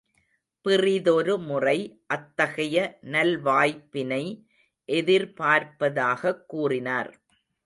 பிறிதொரு முறை அத்தகைய நல்வாய்ப்பினை எதிர்பார்ப்பதாகக் கூறினார்.